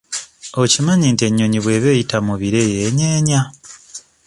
Okimanyi nti ennyonyi bw'eba eyita mu bire yeenyeenya?